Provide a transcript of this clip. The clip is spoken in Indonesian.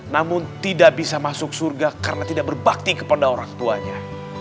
namun tidak bisa masuk surga karena tidak berbakti kepada orang tuanya